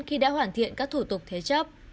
khi đã hoàn thiện các thủ tục thế chấp